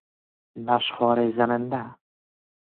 نشخوار زننده